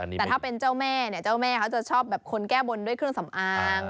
แต่ถ้าเป็นเจ้าแม่เนี่ยเจ้าแม่เขาจะชอบแบบคนแก้บนด้วยเครื่องสำอาง